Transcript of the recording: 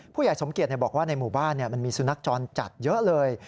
ผู้ใหญ่สมเกียจบอกว่าในหมู่บ้านมันมีสุนัขจรจัดเยอะเลย